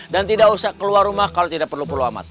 dan tidak usah keluar rumah kalau tidak perlu perlu amat